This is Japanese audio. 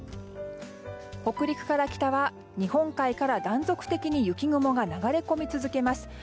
北陸から北は日本海から断続的に雪雲が流れ込み続けます。